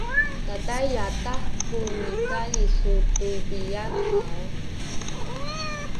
tada yadah ku nikan isu tu piyang haw?